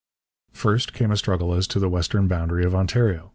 First came a struggle as to the western boundary of Ontario.